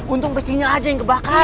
untung besinya aja yang kebakar